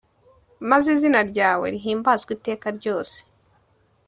Maze izina ryawe rihimbazwe iteka ryose